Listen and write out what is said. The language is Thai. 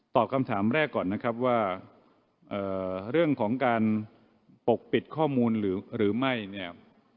คำถามแรกก่อนนะครับว่าเรื่องของการปกปิดข้อมูลหรือไม่เนี่ย